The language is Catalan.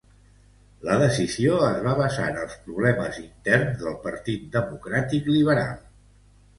La decisió es va basar en els problemes interns del Partit Democràtic Liberal.